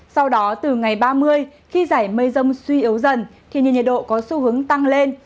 sau đó từ ngày ba mươi khi giải mây rông suy yếu dần thì nhiệt nhiệt độ có xu hướng tăng lên